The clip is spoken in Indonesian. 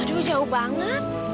aduh jauh banget